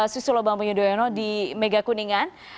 susilo bambang yudhoyono di mega kuningan